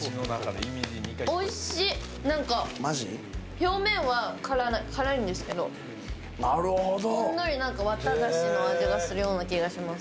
表面は辛いんですけど、ほんのり綿菓子の味がするような気がします。